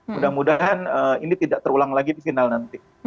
mudah mudahan ini tidak terulang lagi di final nanti